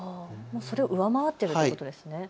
それを上回っているということですね。